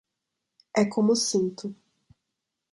É como sinto.